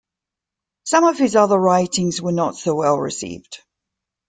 Some of his other writings were not so well received.